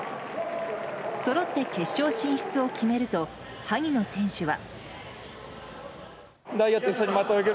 そろって決勝進出を決めると萩野選手は。